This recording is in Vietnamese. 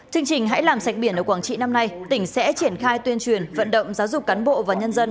chương trình hãy làm sạch biển ở quảng trị năm nay tỉnh sẽ triển khai tuyên truyền vận động giáo dục cán bộ và nhân dân